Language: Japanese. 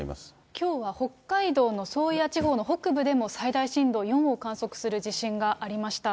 きょうは北海道の宗谷地方の北部でも最大震度４を観測する地震がありました。